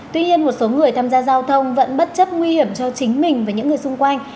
tuy nhiên một số người tham gia giao thông vẫn bất chấp nguy hiểm cho chính mình và những người xung quanh